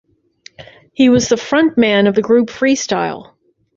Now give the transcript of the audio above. He was the frontman of the group Freestyle.